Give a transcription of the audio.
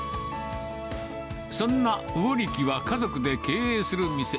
そんな魚力は家族で経営する店。